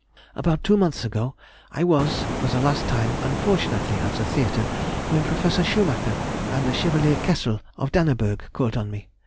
About two months ago I was, for the last time, unfortunately, at the theatre, when Professor Schumacher and the Chevalier Kessel, of Danneburg, called on me.